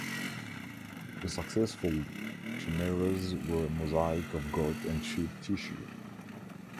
The successful chimeras were a mosaic of goat and sheep tissue.